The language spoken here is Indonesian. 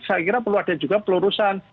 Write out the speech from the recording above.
saya kira perlu ada juga pelurusan